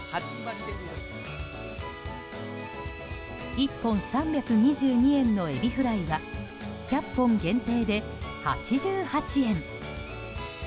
１本３２２円のエビフライは１００本限定で８８円。